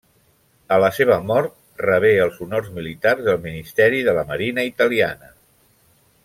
A la seva mort rebé els honors militars del Ministeri de la Marina italiana.